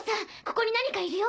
ここに何かいるよ。